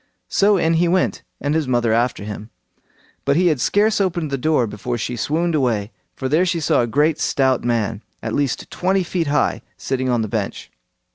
So in he went, and his mother after him, but he had scarce opened the door before she swooned away, for there she saw a great stout man, at least twenty feet high, sitting on the bench.